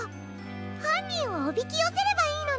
はんにんをおびきよせればいいのね。